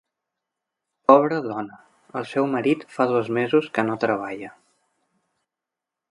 Pobra dona: el seu marit fa dos mesos que no treballa.